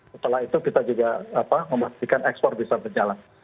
setelah itu kita juga memastikan ekspor bisa berjalan